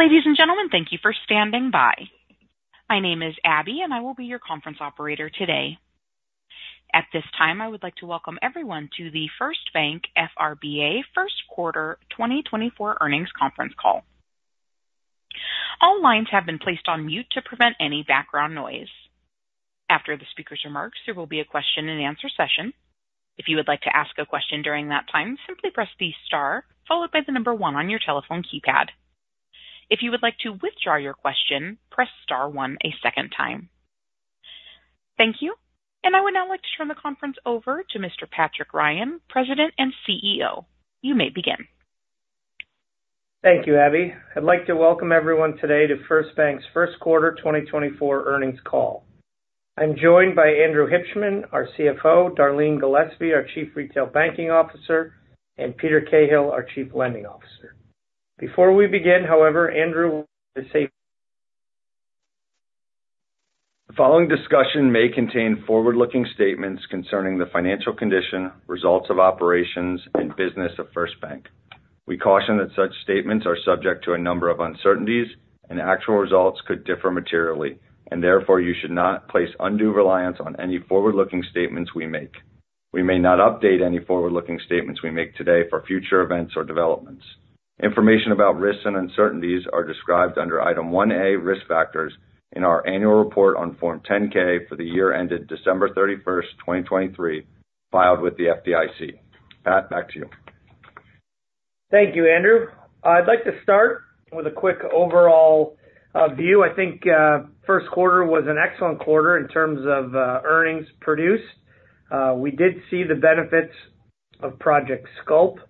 Ladies and gentlemen, thank you for standing by. My name is Abby, and I will be your conference operator today. At this time, I would like to welcome everyone to the First Bank FRBA first quarter 2024 Earnings Conference Call. All lines have been placed on mute to prevent any background noise. After the speaker's remarks, there will be a question and answer session. If you would like to ask a question during that time, simply press the star followed by the number one on your telephone keypad. If you would like to withdraw your question, press star one a second time. Thank you, and I would now like to turn the conference over to Mr. Patrick Ryan, President and CEO. You may begin. Thank you, Abby. I'd like to welcome everyone today to First Bank's First Quarter 2024 earnings call. I'm joined by Andrew Hibshman, our CFO, Darleen Gillespie, our Chief Retail Banking Officer, and Peter Cahill, our Chief Lending Officer. Before we begin, however, Andrew will say. The following discussion may contain forward-looking statements concerning the financial condition, results of operations, and business of First Bank. We caution that such statements are subject to a number of uncertainties, and actual results could differ materially, and therefore you should not place undue reliance on any forward-looking statements we make. We may not update any forward-looking statements we make today for future events or developments. Information about risks and uncertainties are described under Item 1A, Risk Factors in our Annual Report on Form 10-K for the year ended December 31, 2023, filed with the FDIC. Pat, back to you. Thank you, Andrew. I'd like to start with a quick overall view. I think, first quarter was an excellent quarter in terms of, earnings produced. We did see the benefits of Project Sculpt,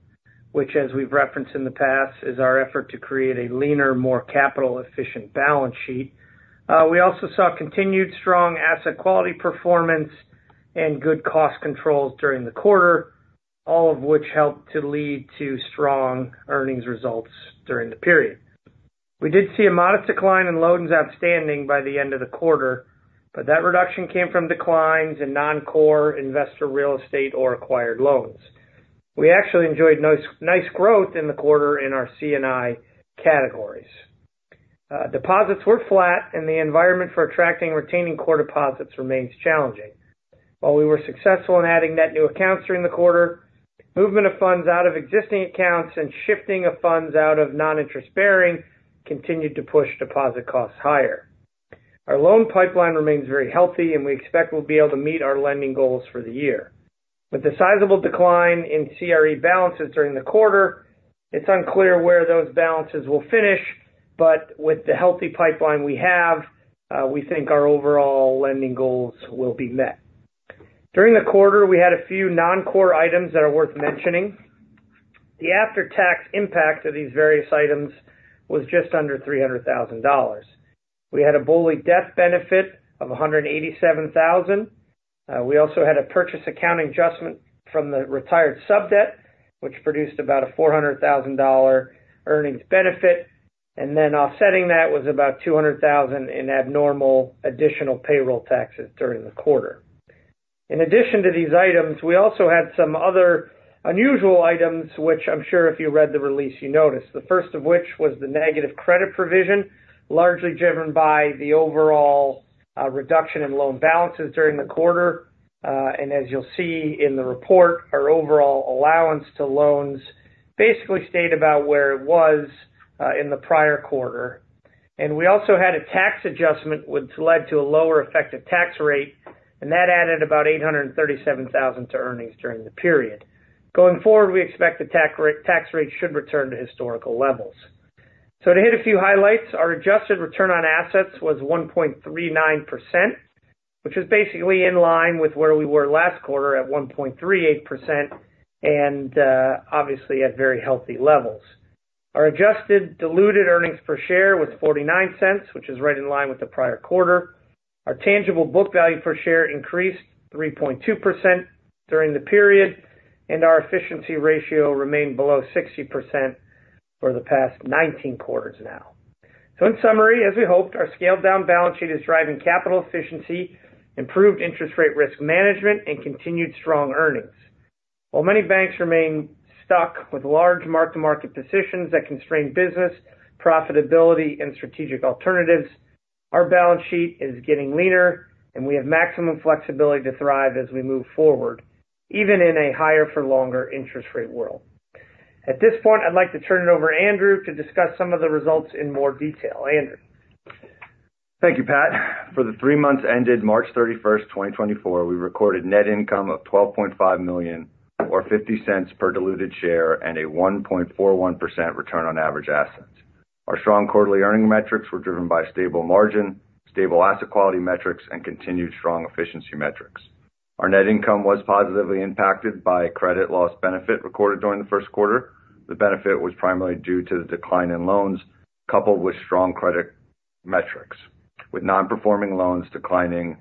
which, as we've referenced in the past, is our effort to create a leaner, more capital-efficient balance sheet. We also saw continued strong asset quality performance and good cost controls during the quarter, all of which helped to lead to strong earnings results during the period. We did see a modest decline in loans outstanding by the end of the quarter, but that reduction came from declines in non-core investor, real estate, or acquired loans. We actually enjoyed nice, nice growth in the quarter in our C&I categories. Deposits were flat, and the environment for attracting and retaining core deposits remains challenging. While we were successful in adding net new accounts during the quarter, movement of funds out of existing accounts and shifting of funds out of non-interest bearing continued to push deposit costs higher. Our loan pipeline remains very healthy, and we expect we'll be able to meet our lending goals for the year. With the sizable decline in CRE balances during the quarter, it's unclear where those balances will finish, but with the healthy pipeline we have, we think our overall lending goals will be met. During the quarter, we had a few non-core items that are worth mentioning. The after-tax impact of these various items was just under $300,000. We had a BOLI death benefit of $187,000. We also had a purchase accounting adjustment from the retired sub-debt, which produced about a $400,000 earnings benefit, and then offsetting that was about $200,000 in abnormal additional payroll taxes during the quarter. In addition to these items, we also had some other unusual items which I'm sure if you read the release, you noticed. The first of which was the negative credit provision, largely driven by the overall reduction in loan balances during the quarter. And as you'll see in the report, our overall allowance to loans basically stayed about where it was in the prior quarter. We also had a tax adjustment which led to a lower effective tax rate, and that added about $837,000 to earnings during the period. Going forward, we expect the tax rate should return to historical levels. So to hit a few highlights, our adjusted return on assets was 1.39%, which is basically in line with where we were last quarter at 1.38%, and, obviously at very healthy levels. Our adjusted diluted earnings per share was $0.49, which is right in line with the prior quarter. Our tangible book value per share increased 3.2% during the period, and our efficiency ratio remained below 60% for the past 19 quarters now. So in summary, as we hoped, our scaled-down balance sheet is driving capital efficiency, improved interest rate risk management, and continued strong earnings. While many banks remain stuck with large mark-to-market positions that constrain business, profitability, and strategic alternatives, our balance sheet is getting leaner, and we have maximum flexibility to thrive as we move forward, even in a higher for longer interest rate world. At this point, I'd like to turn it over to Andrew to discuss some of the results in more detail. Andrew? Thank you, Pat. For the three months ended March 31, 2024, we recorded net income of $12.5 million or $0.50 per diluted share and a 1.41% return on average assets. Our strong quarterly earnings metrics were driven by stable margin, stable asset quality metrics, and continued strong efficiency metrics. Our net income was positively impacted by credit loss benefit recorded during the first quarter. The benefit was primarily due to the decline in loans, coupled with strong credit metrics, with non-performing loans declining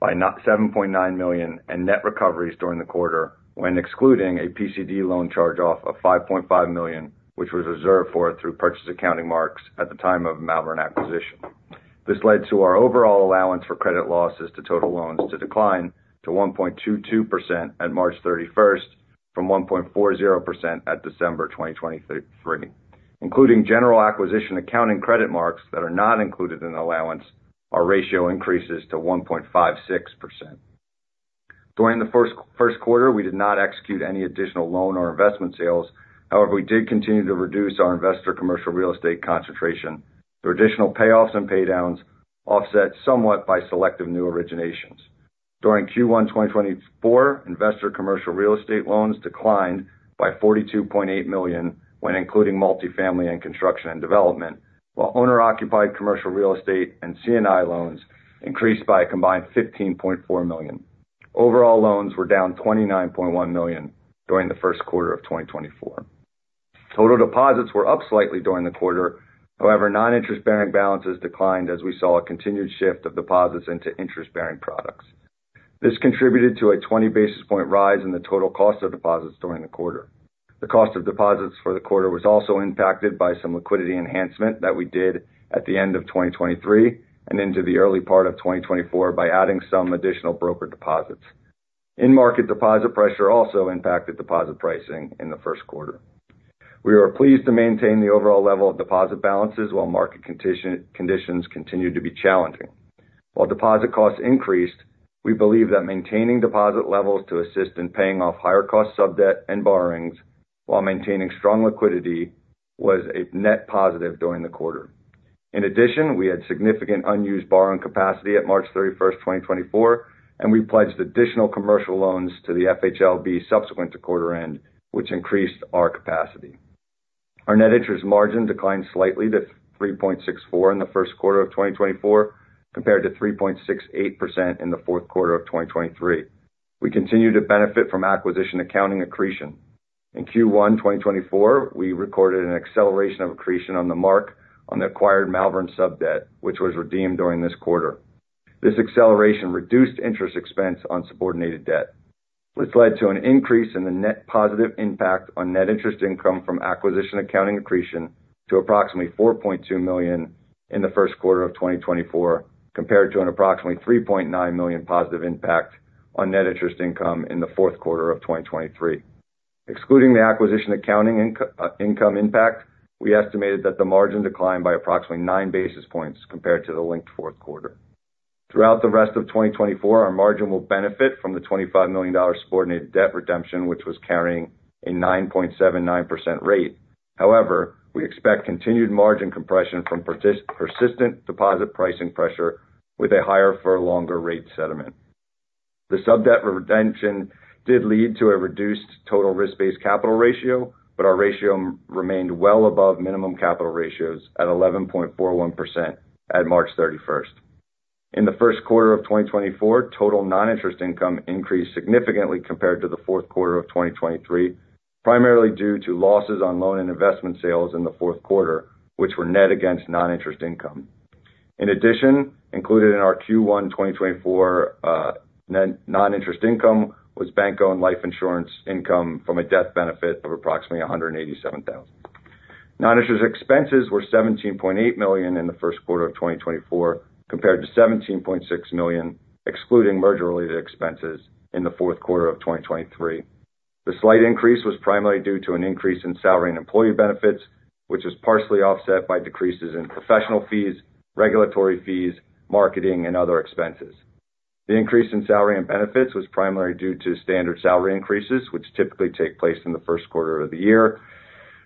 by $7.9 million and net recoveries during the quarter, when excluding a PCD loan charge-off of $5.5 million, which was reserved for through purchase accounting marks at the time of Malvern acquisition. This led to our overall allowance for credit losses to total loans to decline to 1.22% at March 31, from 1.40% at December 2023. Including general acquisition accounting credit marks that are not included in the allowance, our ratio increases to 1.56%. During the first quarter, we did not execute any additional loan or investment sales. However, we did continue to reduce our investor commercial real estate concentration. The additional payoffs and pay downs offset somewhat by selective new originations. During Q1 2024, investor commercial real estate loans declined by $42.8 million when including multifamily and construction and development, while owner-occupied commercial real estate and C&I loans increased by a combined $15.4 million. Overall loans were down $29.1 million during the first quarter of 2024. Total deposits were up slightly during the quarter. However, non-interest-bearing balances declined as we saw a continued shift of deposits into interest-bearing products. This contributed to a 20 basis point rise in the total cost of deposits during the quarter. The cost of deposits for the quarter was also impacted by some liquidity enhancement that we did at the end of 2023 and into the early part of 2024 by adding some additional broker deposits. In-market deposit pressure also impacted deposit pricing in the first quarter. We were pleased to maintain the overall level of deposit balances while market conditions continued to be challenging. While deposit costs increased, we believe that maintaining deposit levels to assist in paying off higher cost sub debt and borrowings while maintaining strong liquidity, was a net positive during the quarter. In addition, we had significant unused borrowing capacity at March 31, 2024, and we pledged additional commercial loans to the FHLB subsequent to quarter end, which increased our capacity. Our net interest margin declined slightly to 3.64% in the first quarter of 2024, compared to 3.68% in the fourth quarter of 2023. We continue to benefit from acquisition accounting accretion. In Q1 2024, we recorded an acceleration of accretion on the mark on the acquired Malvern sub debt, which was redeemed during this quarter. This acceleration reduced interest expense on subordinated debt, which led to an increase in the net positive impact on net interest income from acquisition accounting accretion to approximately $4.2 million in the first quarter of 2024, compared to an approximately $3.9 million positive impact on net interest income in the fourth quarter of 2023. Excluding the acquisition accounting income impact, we estimated that the margin declined by approximately 9 basis points compared to the linked fourth quarter. Throughout the rest of 2024, our margin will benefit from the $25 million subordinated debt redemption, which was carrying a 9.79% rate. However, we expect continued margin compression from persistent deposit pricing pressure with a higher for longer rate settlement. The sub debt redemption did lead to a reduced total risk-based capital ratio, but our ratio remained well above minimum capital ratios at 11.41% at March 31st. In the first quarter of 2024, total non-interest income increased significantly compared to the fourth quarter of 2023, primarily due to losses on loan and investment sales in the fourth quarter, which were net against non-interest income. In addition, included in our Q1 2024 non-interest income was bank-owned life insurance income from a death benefit of approximately $187,000. Non-interest expenses were $17.8 million in the first quarter of 2024, compared to $17.6 million, excluding merger-related expenses in the fourth quarter of 2023. The slight increase was primarily due to an increase in salary and employee benefits, which was partially offset by decreases in professional fees, regulatory fees, marketing, and other expenses. The increase in salary and benefits was primarily due to standard salary increases, which typically take place in the first quarter of the year,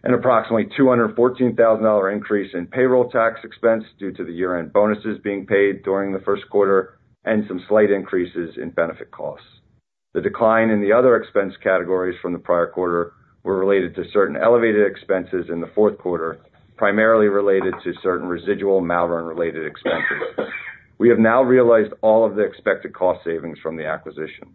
and approximately $214,000 increase in payroll tax expense due to the year-end bonuses being paid during the first quarter and some slight increases in benefit costs. The decline in the other expense categories from the prior quarter were related to certain elevated expenses in the fourth quarter, primarily related to certain residual Malvern-related expenses. We have now realized all of the expected cost savings from the acquisition.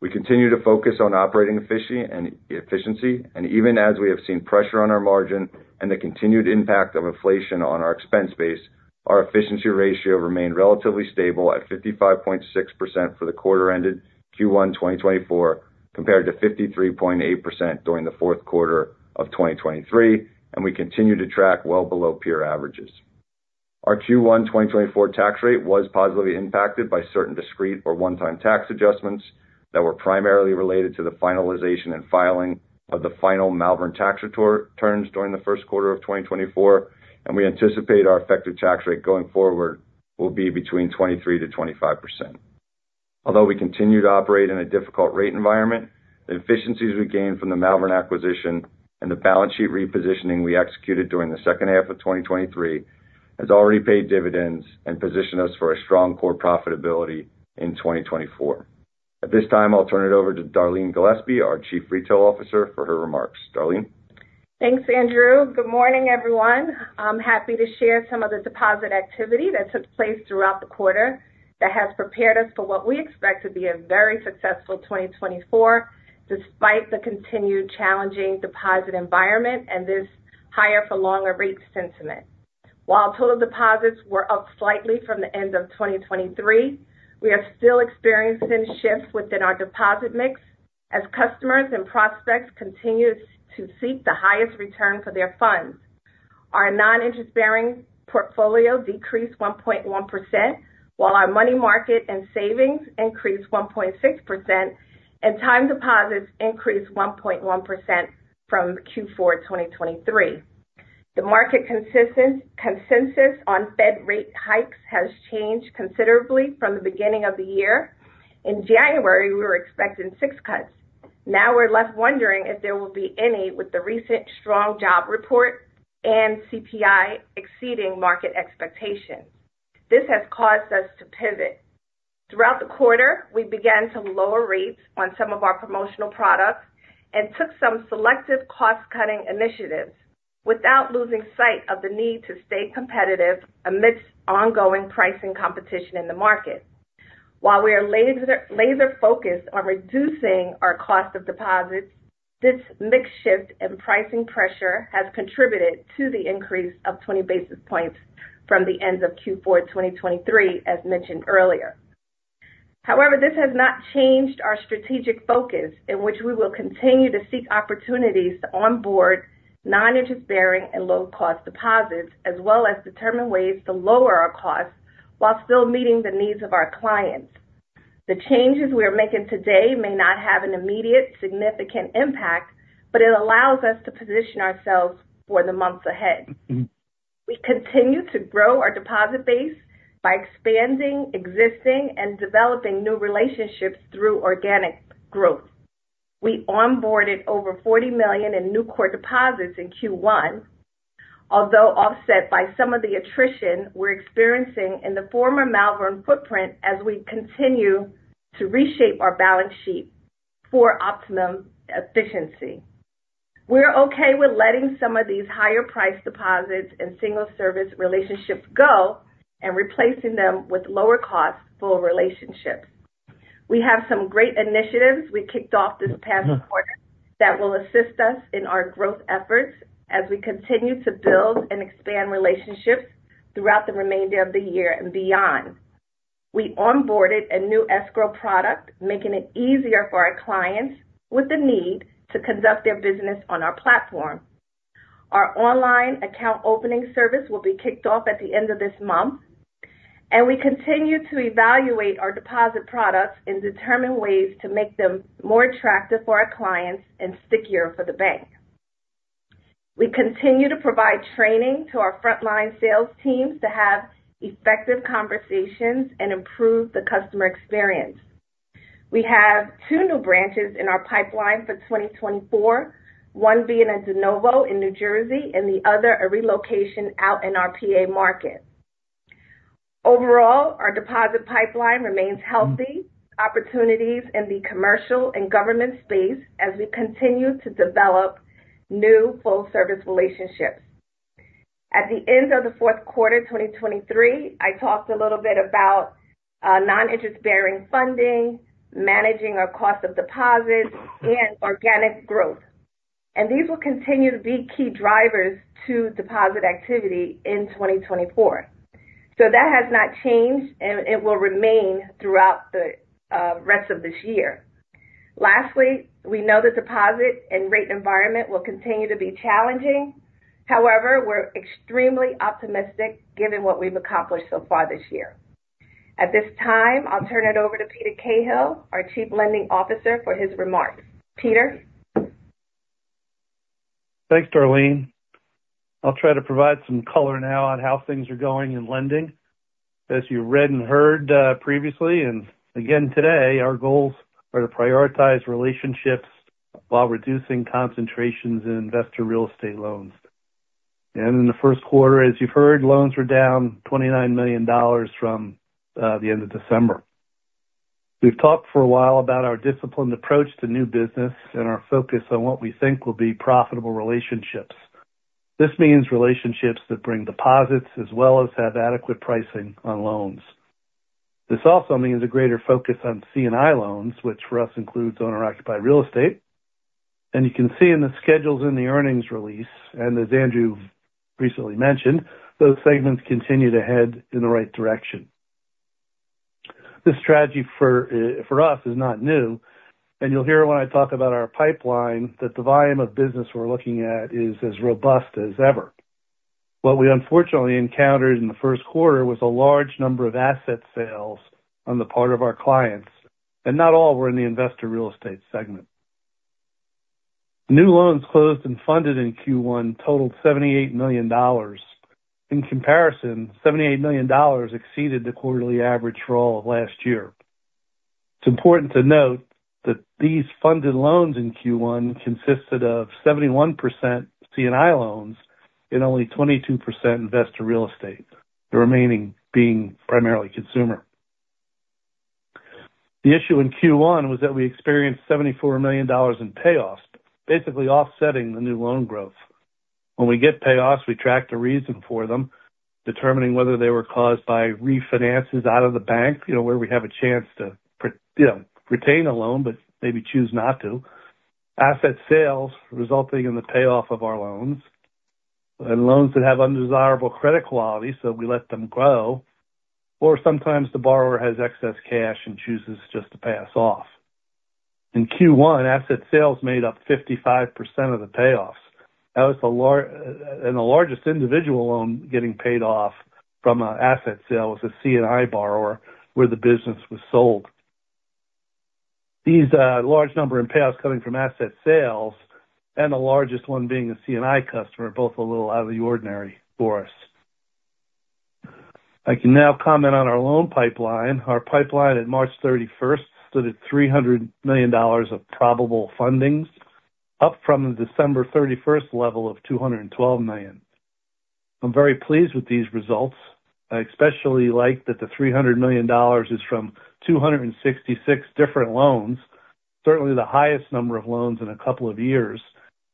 We continue to focus on operating efficiency and efficiency, and even as we have seen pressure on our margin and the continued impact of inflation on our expense base, our efficiency ratio remained relatively stable at 55.6% for the quarter ended Q1 2024, compared to 53.8% during the fourth quarter of 2023, and we continue to track well below peer averages. Our Q1 2024 tax rate was positively impacted by certain discrete or one-time tax adjustments that were primarily related to the finalization and filing of the final Malvern tax returns during the first quarter of 2024, and we anticipate our effective tax rate going forward will be between 23%-25%. Although we continue to operate in a difficult rate environment, the efficiencies we gained from the Malvern acquisition and the balance sheet repositioning we executed during the second half of 2023, has already paid dividends and positioned us for a strong core profitability in 2024. At this time, I'll turn it over to Darleen Gillespie, our Chief Retail Officer, for her remarks. Darleen? Thanks, Andrew. Good morning, everyone. I'm happy to share some of the deposit activity that took place throughout the quarter that has prepared us for what we expect to be a very successful 2024, despite the continued challenging deposit environment and this higher for longer rate sentiment. While total deposits were up slightly from the end of 2023, we are still experiencing shifts within our deposit mix... as customers and prospects continue to seek the highest return for their funds. Our non-interest bearing portfolio decreased 1.1%, while our money market and savings increased 1.6%, and time deposits increased 1.1% from Q4 2023. The market consensus on Fed rate hikes has changed considerably from the beginning of the year. In January, we were expecting six cuts. Now we're left wondering if there will be any with the recent strong job report and CPI exceeding market expectations. This has caused us to pivot. Throughout the quarter, we began to lower rates on some of our promotional products and took some selective cost-cutting initiatives without losing sight of the need to stay competitive amidst ongoing pricing competition in the market. While we are laser, laser focused on reducing our cost of deposits, this mix shift and pricing pressure has contributed to the increase of 20 basis points from the end of Q4 2023, as mentioned earlier. However, this has not changed our strategic focus, in which we will continue to seek opportunities to onboard non-interest bearing and low-cost deposits, as well as determine ways to lower our costs while still meeting the needs of our clients. The changes we are making today may not have an immediate significant impact, but it allows us to position ourselves for the months ahead. We continue to grow our deposit base by expanding existing and developing new relationships through organic growth. We onboarded over $40 million in new core deposits in Q1, although offset by some of the attrition we're experiencing in the former Malvern footprint as we continue to reshape our balance sheet for optimum efficiency. We're okay with letting some of these higher priced deposits and single service relationships go and replacing them with lower cost full relationships. We have some great initiatives we kicked off this past quarter that will assist us in our growth efforts as we continue to build and expand relationships throughout the remainder of the year and beyond. We onboarded a new escrow product, making it easier for our clients with the need to conduct their business on our platform. Our online account opening service will be kicked off at the end of this month, and we continue to evaluate our deposit products and determine ways to make them more attractive for our clients and stickier for the bank. We continue to provide training to our frontline sales teams to have effective conversations and improve the customer experience. We have two new branches in our pipeline for 2024, one being a de novo in New Jersey and the other a relocation out in our PA market. Overall, our deposit pipeline remains healthy, opportunities in the commercial and government space as we continue to develop new full service relationships. At the end of the fourth quarter 2023, I talked a little bit about non-interest bearing funding, managing our cost of deposits, and organic growth. These will continue to be key drivers to deposit activity in 2024. That has not changed, and it will remain throughout the rest of this year. Lastly, we know the deposit and rate environment will continue to be challenging. However, we're extremely optimistic given what we've accomplished so far this year. At this time, I'll turn it over to Peter Cahill, our Chief Lending Officer, for his remarks. Peter? Thanks, Darleen. I'll try to provide some color now on how things are going in lending. As you read and heard previously and again today, our goals are to prioritize relationships while reducing concentrations in investor real estate loans. In the first quarter, as you've heard, loans were down $29 million from the end of December. We've talked for a while about our disciplined approach to new business and our focus on what we think will be profitable relationships. This means relationships that bring deposits as well as have adequate pricing on loans. This also means a greater focus on C&I loans, which for us includes owner-occupied real estate. You can see in the schedules in the earnings release, and as Andrew recently mentioned, those segments continue to head in the right direction. This strategy for, for us is not new, and you'll hear when I talk about our pipeline, that the volume of business we're looking at is as robust as ever. What we unfortunately encountered in the first quarter was a large number of asset sales on the part of our clients, and not all were in the investor real estate segment. New loans closed and funded in Q1 totaled $78 million. In comparison, $78 million exceeded the quarterly average for all of last year. It's important to note that these funded loans in Q1 consisted of 71% C&I loans and only 22% investor real estate, the remaining being primarily consumer. The issue in Q1 was that we experienced $74 million in payoffs, basically offsetting the new loan growth. When we get payoffs, we track the reason for them, determining whether they were caused by refinances out of the bank, you know, where we have a chance to, you know, retain a loan, but maybe choose not to. Asset sales resulting in the payoff of our loans, and loans that have undesirable credit quality, so we let them go, or sometimes the borrower has excess cash and chooses just to pay off. In Q1, asset sales made up 55% of the payoffs. That was the largest, and the largest individual loan getting paid off from an asset sale was a C&I borrower, where the business was sold. These, large number in payoffs coming from asset sales and the largest one being a C&I customer, are both a little out of the ordinary for us. I can now comment on our loan pipeline. Our pipeline at March 31st stood at $300 million of probable fundings, up from the December 31st level of $212 million. I'm very pleased with these results. I especially like that the $300 million is from 266 different loans, certainly the highest number of loans in a couple of years,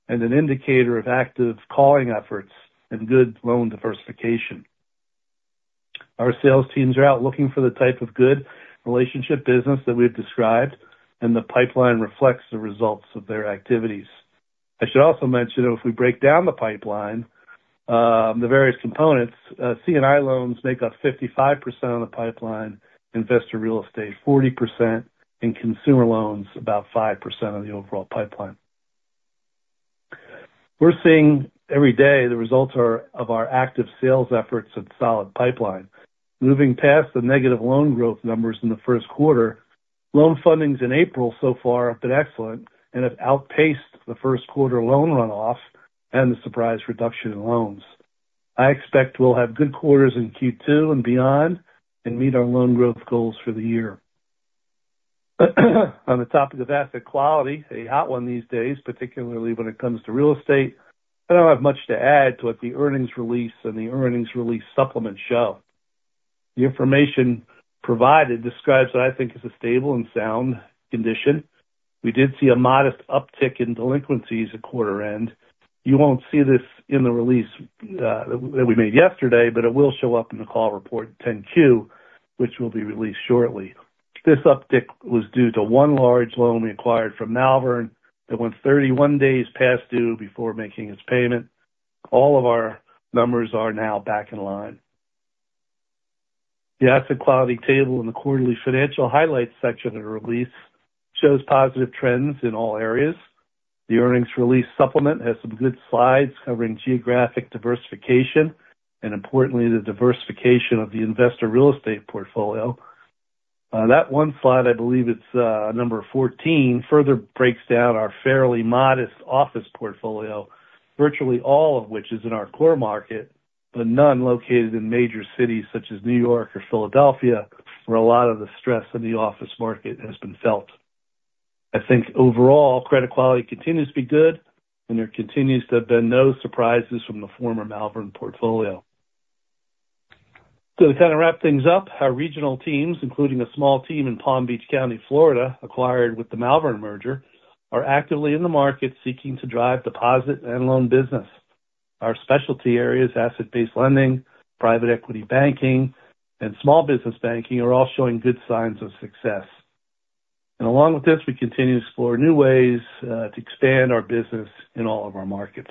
and an indicator of active calling efforts and good loan diversification. Our sales teams are out looking for the type of good relationship business that we've described, and the pipeline reflects the results of their activities. I should also mention that if we break down the pipeline, the various components, C&I loans make up 55% of the pipeline, investor real estate 40%, and consumer loans about 5% of the overall pipeline. We're seeing every day the results of our active sales efforts and solid pipeline. Moving past the negative loan growth numbers in the first quarter, loan fundings in April so far have been excellent and have outpaced the first quarter loan runoff and the surprise reduction in loans. I expect we'll have good quarters in Q2 and beyond and meet our loan growth goals for the year. On the topic of asset quality, a hot one these days, particularly when it comes to real estate, I don't have much to add to what the earnings release and the earnings release supplement show. The information provided describes what I think is a stable and sound condition. We did see a modest uptick in delinquencies at quarter end. You won't see this in the release, that we made yesterday, but it will show up in the call report in 10-Q, which will be released shortly. This uptick was due to one large loan we acquired from Malvern that went 31 days past due before making its payment. All of our numbers are now back in line. The asset quality table in the quarterly financial highlights section of the release shows positive trends in all areas. The earnings release supplement has some good slides covering geographic diversification, and importantly, the diversification of the investor real estate portfolio. That one slide, I believe it's number 14, further breaks down our fairly modest office portfolio, virtually all of which is in our core market, but none located in major cities such as New York or Philadelphia, where a lot of the stress in the office market has been felt. I think overall, credit quality continues to be good, and there continues to have been no surprises from the former Malvern portfolio. So to kind of wrap things up, our regional teams, including a small team in Palm Beach County, Florida, acquired with the Malvern merger, are actively in the market seeking to drive deposit and loan business. Our specialty areas, asset-based lending, private equity banking, and small business banking, are all showing good signs of success. And along with this, we continue to explore new ways to expand our business in all of our markets.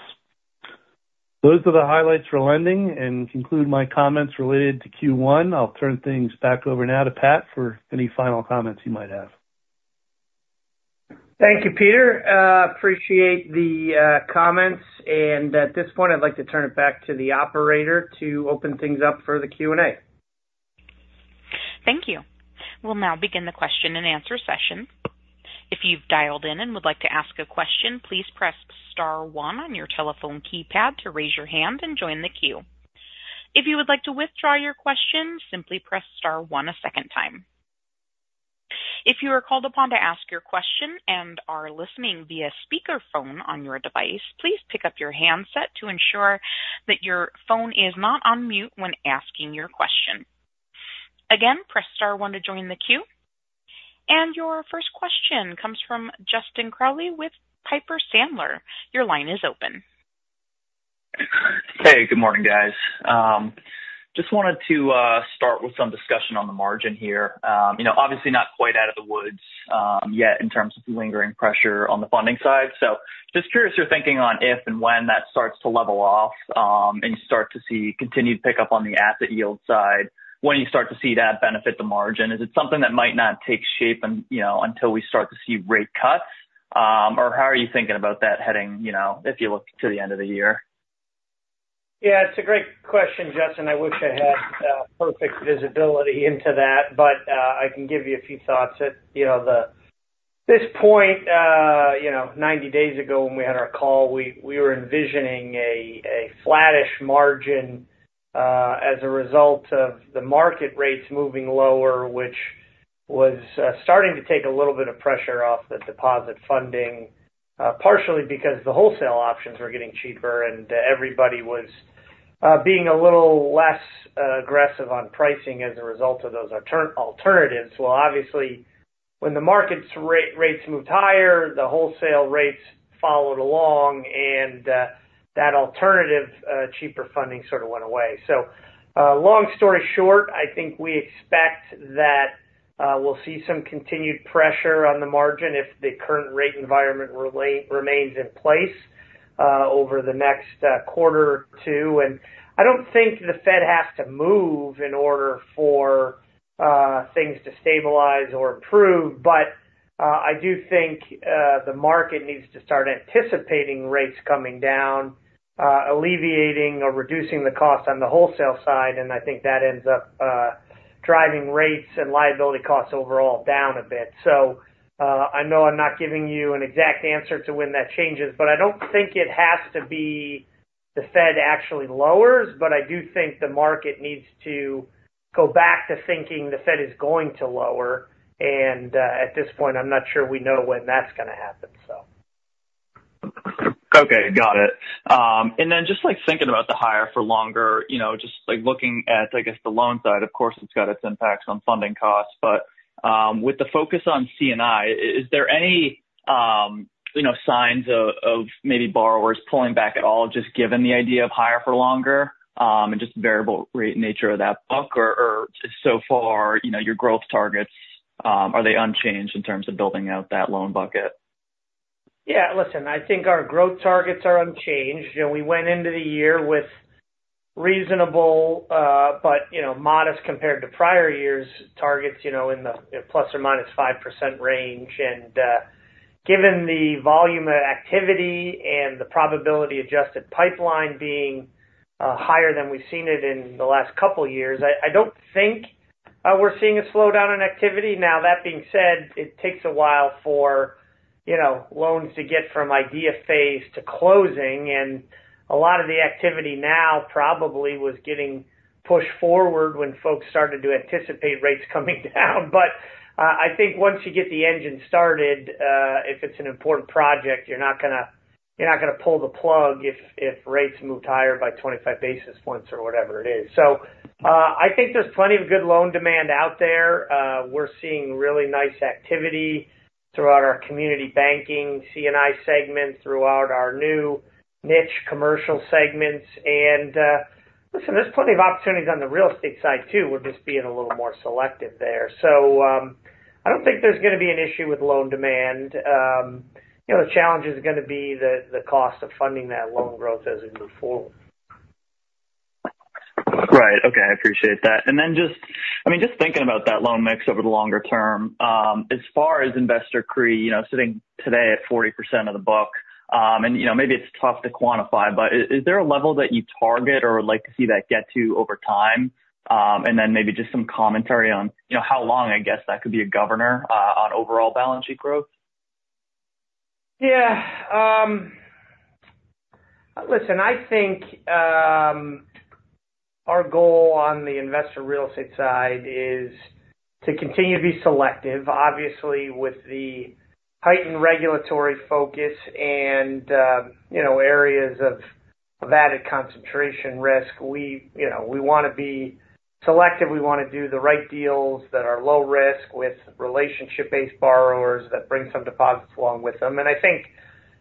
Those are the highlights for lending and conclude my comments related to Q1. I'll turn things back over now to Pat for any final comments he might have. Thank you, Peter. Appreciate the comments. At this point, I'd like to turn it back to the operator to open things up for the Q&A. Thank you. We'll now begin the question-and-answer session. If you've dialed in and would like to ask a question, please press star one on your telephone keypad to raise your hand and join the queue. If you would like to withdraw your question, simply press star one a second time. If you are called upon to ask your question and are listening via speakerphone on your device, please pick up your handset to ensure that your phone is not on mute when asking your question. Again, press star one to join the queue. And your first question comes from Justin Crowley with Piper Sandler. Your line is open. Hey, good morning, guys. Just wanted to start with some discussion on the margin here. You know, obviously not quite out of the woods yet in terms of the lingering pressure on the funding side. So just curious, your thinking on if and when that starts to level off, and you start to see continued pickup on the asset yield side, when you start to see that benefit the margin? Is it something that might not take shape and, you know, until we start to see rate cuts? Or how are you thinking about that heading, you know, if you look to the end of the year? Yeah, it's a great question, Justin. I wish I had perfect visibility into that, but I can give you a few thoughts that, you know, this point, you know, 90 days ago when we had our call, we were envisioning a flattish margin as a result of the market rates moving lower, which was starting to take a little bit of pressure off the deposit funding, partially because the wholesale options were getting cheaper and everybody was being a little less aggressive on pricing as a result of those alternatives. Well, obviously, when the market rates moved higher, the wholesale rates followed along, and that alternative cheaper funding sort of went away. So, long story short, I think we expect that. We'll see some continued pressure on the margin if the current rate environment remains in place over the next quarter or two. And I don't think the Fed has to move in order for things to stabilize or improve, but I do think the market needs to start anticipating rates coming down, alleviating or reducing the cost on the wholesale side, and I think that ends up driving rates and liability costs overall down a bit. So, I know I'm not giving you an exact answer to when that changes, but I don't think it has to be the Fed actually lowers, but I do think the market needs to go back to thinking the Fed is going to lower, and at this point, I'm not sure we know when that's gonna happen. Okay, got it. And then just like thinking about the higher for longer, you know, just like looking at, I guess, the loan side, of course, it's got its impacts on funding costs. But, with the focus on C&I, is there any, you know, signs of maybe borrowers pulling back at all, just given the idea of higher for longer, and just variable rate nature of that book? Or just so far, you know, your growth targets, are they unchanged in terms of building out that loan bucket? Yeah, listen, I think our growth targets are unchanged. You know, we went into the year with reasonable, but, you know, modest compared to prior years, targets, you know, in the, you know, plus or minus 5% range. And, given the volume of activity and the probability-adjusted pipeline being, higher than we've seen it in the last couple years, I don't think, we're seeing a slowdown in activity. Now, that being said, it takes a while for, you know, loans to get from idea phase to closing, and a lot of the activity now probably was getting pushed forward when folks started to anticipate rates coming down. But, I think once you get the engine started, if it's an important project, you're not gonna pull the plug if rates move higher by 25 basis points or whatever it is. So, I think there's plenty of good loan demand out there. We're seeing really nice activity throughout our community banking, C&I segment, throughout our new niche commercial segments. And, listen, there's plenty of opportunities on the real estate side, too. We're just being a little more selective there. So, I don't think there's gonna be an issue with loan demand. You know, the challenge is gonna be the cost of funding that loan growth as we move forward. Right. Okay. I appreciate that. And then just—I mean, just thinking about that loan mix over the longer term, as far as investor CRE, you know, sitting today at 40% of the book, and, you know, maybe it's tough to quantify, but is there a level that you target or would like to see that get to over time? And then maybe just some commentary on, you know, how long, I guess, that could be a governor on overall balance sheet growth. Yeah. Listen, I think, our goal on the investor real estate side is to continue to be selective. Obviously, with the heightened regulatory focus and, you know, areas of added concentration risk, we, you know, we wanna be selective. We wanna do the right deals that are low risk with relationship-based borrowers that bring some deposits along with them. And I think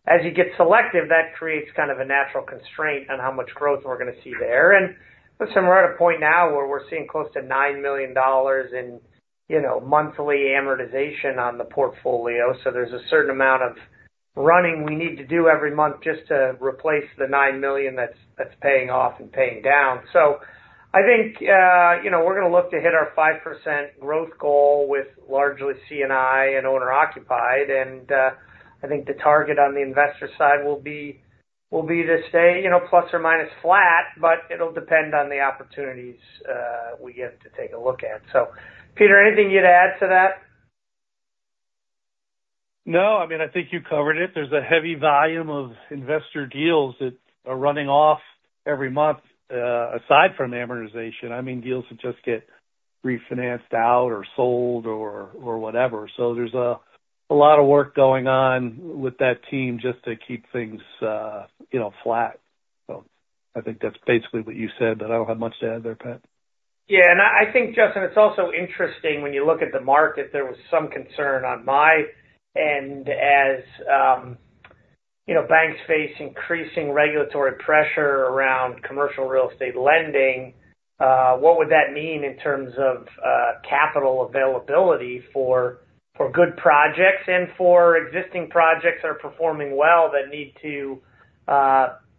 as you get selective, that creates kind of a natural constraint on how much growth we're gonna see there. And listen, we're at a point now where we're seeing close to $9 million in, you know, monthly amortization on the portfolio, so there's a certain amount of running we need to do every month just to replace the $9 million that's paying off and paying down. So I think, you know, we're gonna look to hit our 5% growth goal with largely C&I and owner-occupied. And, I think the target on the investor side will be to stay, you know, plus or minus flat, but it'll depend on the opportunities we get to take a look at. So Peter, anything you'd add to that? No. I mean, I think you covered it. There's a heavy volume of investor deals that are running off every month, aside from amortization. I mean, deals that just get refinanced out or sold or whatever. So there's a lot of work going on with that team just to keep things, you know, flat. So I think that's basically what you said, but I don't have much to add there, Pat. Yeah. And I think, Justin, it's also interesting when you look at the market. There was some concern on my end as, you know, banks face increasing regulatory pressure around commercial real estate lending, what would that mean in terms of, capital availability for good projects and for existing projects that are performing well that need to,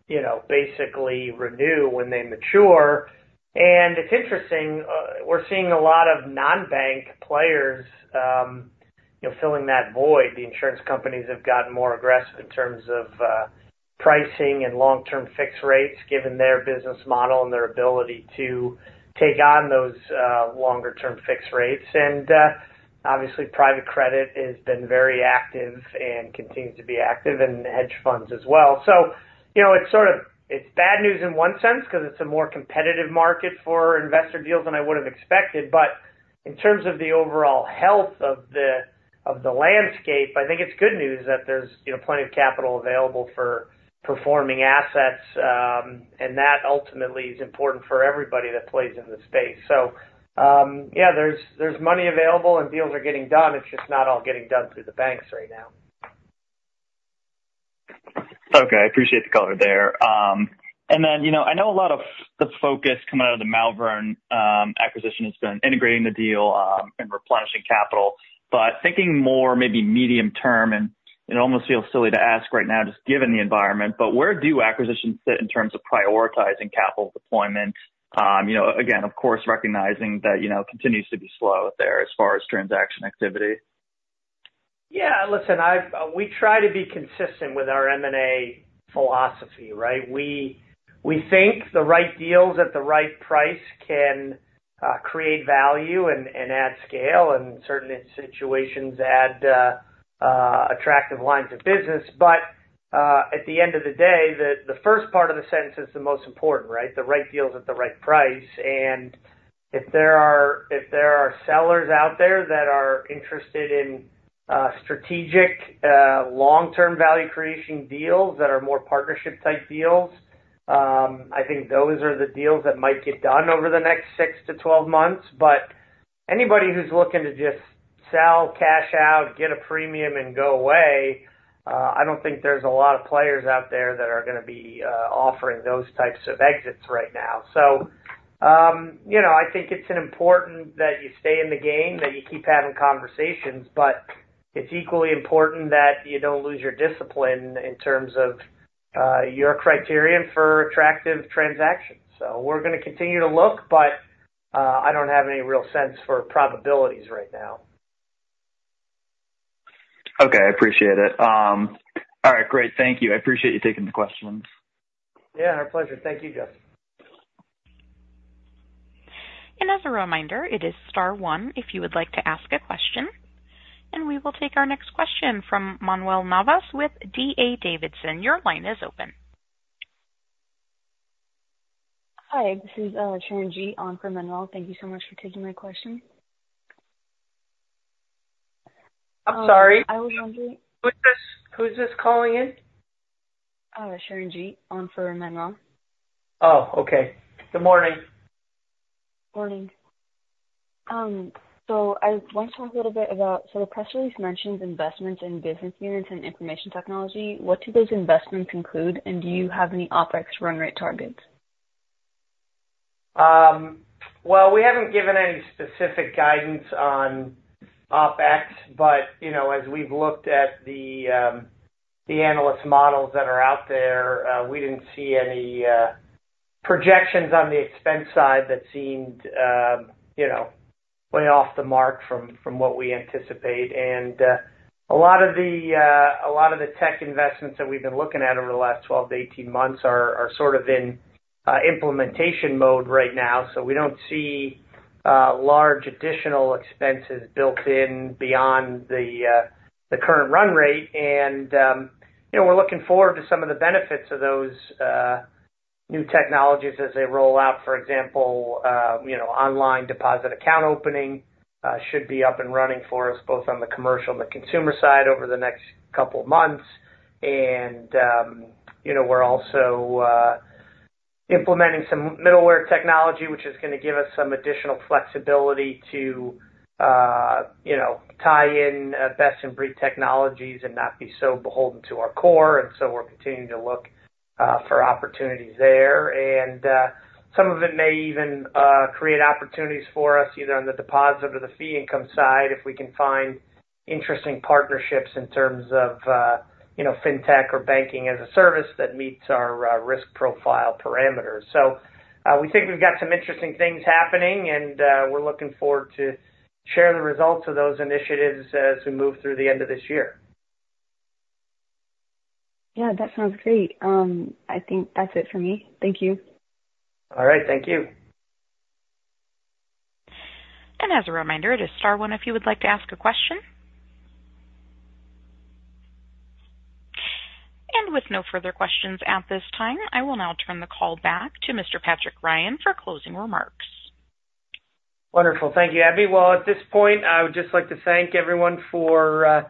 you know, basically renew when they mature? And it's interesting, we're seeing a lot of non-bank players, you know, filling that void. The insurance companies have gotten more aggressive in terms of, pricing and long-term fixed rates, given their business model and their ability to take on those, longer-term fixed rates. And, obviously, private credit has been very active and continues to be active, and hedge funds as well. So, you know, it's sort of - it's bad news in one sense because it's a more competitive market for investor deals than I would've expected. But in terms of the overall health of the landscape, I think it's good news that there's, you know, plenty of capital available for performing assets, and that ultimately is important for everybody that plays in the space. So, yeah, there's money available and deals are getting done. It's just not all getting done through the banks right now. Okay, I appreciate the color there. And then, you know, I know a lot of the focus coming out of the Malvern acquisition has been integrating the deal, and replenishing capital, but thinking more maybe medium term, and it almost feels silly to ask right now, just given the environment, but where do acquisitions fit in terms of prioritizing capital deployment? You know, again, of course, recognizing that, you know, continues to be slow there as far as transaction activity. Yeah, listen, I've -- we try to be consistent with our M&A philosophy, right? We, we think the right deals at the right price can create value and, and add scale, and in certain situations add attractive lines of business. But at the end of the day, the first part of the sentence is the most important, right? The right deals at the right price. And if there are sellers out there that are interested in strategic long-term value creation deals that are more partnership-type deals, I think those are the deals that might get done over the next six to 12 months. But anybody who's looking to just sell, cash out, get a premium and go away, I don't think there's a lot of players out there that are gonna be offering those types of exits right now. So, you know, I think it's an important that you stay in the game, that you keep having conversations, but it's equally important that you don't lose your discipline in terms of your criterion for attractive transactions. So we're gonna continue to look, but I don't have any real sense for probabilities right now. Okay, I appreciate it. All right, great. Thank you. I appreciate you taking the questions. Yeah, our pleasure. Thank you, Justin. As a reminder, it is star one if you would like to ask a question. We will take our next question from Manuel Navas with D.A. Davidson. Your line is open. Hi, this is Sharon G. on for Manuel. Thank you so much for taking my question. I'm sorry. I was wondering. Who's this, who's this calling in? Sharon G. on for Manuel. Oh, okay. Good morning. Morning. So I want to talk a little bit about, so the press release mentions investments in business units and information technology. What do those investments include? And do you have any OpEx run rate targets? Well, we haven't given any specific guidance on OpEx, but, you know, as we've looked at the analyst models that are out there, we didn't see any projections on the expense side that seemed, you know, way off the mark from what we anticipate. And, a lot of the tech investments that we've been looking at over the last 12-18 months are sort of in implementation mode right now. So we don't see large additional expenses built in beyond the current run rate. And, you know, we're looking forward to some of the benefits of those new technologies as they roll out. For example, you know, online deposit account opening should be up and running for us, both on the commercial and the consumer side over the next couple of months. We're also implementing some middleware technology, which is gonna give us some additional flexibility to, you know, tie in best in breed technologies and not be so beholden to our core. So we're continuing to look for opportunities there. Some of it may even create opportunities for us, either on the deposit or the fee income side, if we can find interesting partnerships in terms of, you know, fintech or banking as a service that meets our risk profile parameters. So, we think we've got some interesting things happening, and we're looking forward to share the results of those initiatives as we move through the end of this year. Yeah, that sounds great. I think that's it for me. Thank you. All right, thank you. As a reminder, it is star one if you would like to ask a question. With no further questions at this time, I will now turn the call back to Mr. Patrick Ryan for closing remarks. Wonderful. Thank you, Abby. Well, at this point, I would just like to thank everyone for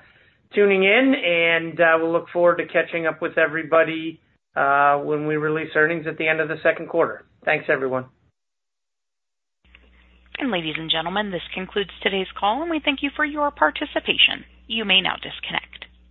tuning in, and we'll look forward to catching up with everybody when we release earnings at the end of the second quarter. Thanks, everyone. Ladies and gentlemen, this concludes today's call, and we thank you for your participation. You may now disconnect.